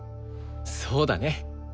そうだね。